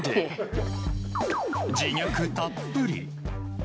自虐たっぷり。